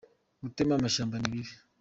gutema amashyamba ni bibi